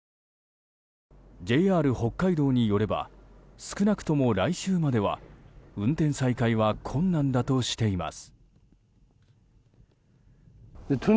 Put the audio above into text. ＪＲ北海道によれば少なくとも来週までは運転再開は困難だとしています。